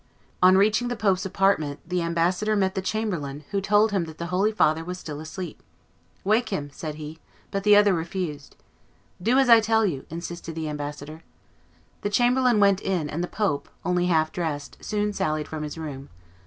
On reaching the pope's apartment the ambassador met the chamberlain, who told him that the holy father was still asleep. "Wake him," said he; but the other refused. "Do as I tell you," insisted the ambassador. The chamberlain went in; and the pope, only half dressed, soon sallied from his room.